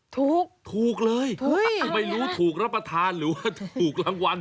ถูกถูกเลยถูกไม่รู้ถูกรับประทานหรือว่าถูกรางวัล